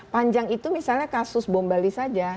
panjang itu misalnya kasus bom bali saja